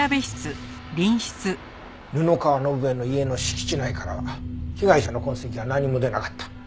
布川伸恵の家の敷地内からは被害者の痕跡は何も出なかった。